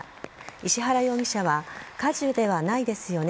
石原容疑者は火事ではないですよね